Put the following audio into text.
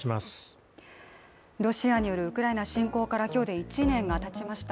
ロシアによるウクライナ侵攻から今日で１年がたちました。